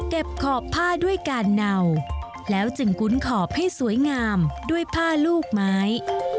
ขอบผ้าด้วยการเนาแล้วจึงคุ้นขอบให้สวยงามด้วยผ้าลูกไม้